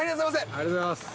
ありがとうございます。